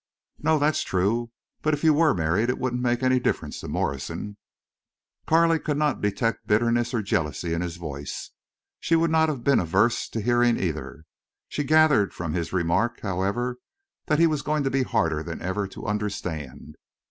"No, that's true. But if you were married it wouldn't make any difference to Morrison." Carley could not detect bitterness or jealousy in his voice. She would not have been averse to hearing either. She gathered from his remark, however, that he was going to be harder than ever to understand.